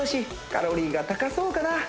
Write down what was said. カロリーが高そうかな